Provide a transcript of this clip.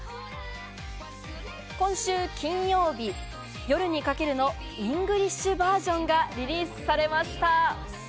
今週金曜日、『夜に駆ける』のＥｎｇｌｉｓｈバージョンがリリースされました。